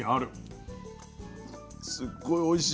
すっごいおいしい。